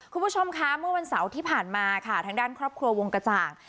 คุณผู้ชมคะเมื่อวันเสาร์ที่ผ่านมาค่ะทางด้านครอบครัววงกระจ่าง